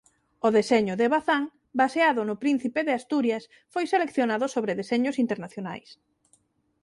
O deseño de Bazán baseado no Príncipe de Asturias foi seleccionado sobre deseños internacionais.